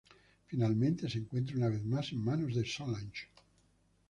Finalmente, se encuentra una vez mas en manos de Solange.